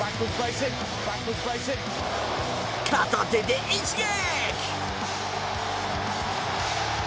片手で一撃！